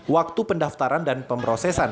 waktu pendaftaran dan pemrosesan